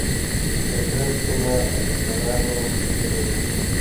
د کرز سیمه او دا کلا مو پرېښوده.